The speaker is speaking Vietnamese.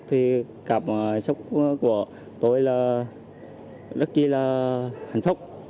thì cảm xúc của tôi rất là hạnh phúc